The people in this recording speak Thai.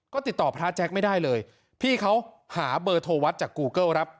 ก็ติดต่อพระแจ๊คไม่ได้เลยพี่เขาหาเบอร์โทรวัดจากกูเกิ้ลครับ